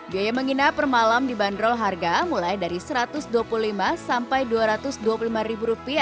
biaya menginap per malam dibanderol harga mulai dari rp satu ratus dua puluh lima sampai rp dua ratus dua puluh lima